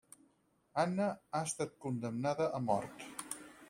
Anna ha estat condemnada a mort.